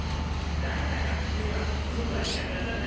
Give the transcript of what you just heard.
だから学食では「そば」しか出さないの。